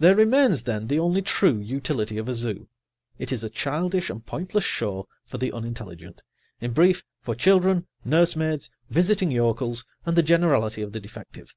There remains, then, the only true utility of a zoo: it is a childish and pointless show for the unintelligent, in brief, for children, nursemaids, visiting yokels and the generality of the defective.